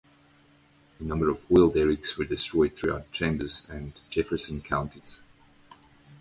A number of other oil derricks were destroyed throughout Chambers and Jefferson counties.